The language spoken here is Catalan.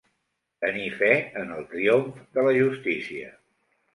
Tenir fe en el triomf de la justícia.